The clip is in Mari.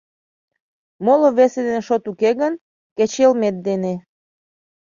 Моло-весе дене шот уке гын, кеч йылмет дене.